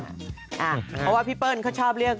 เพราะว่าพี่เปิ้ลเขาชอบเรียก